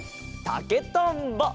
たけとんぼ！